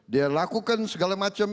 dia lakukan segala macam